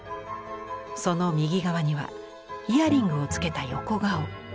その右側にはイヤリングをつけた横顔。